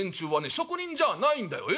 職人じゃあないんだよえ？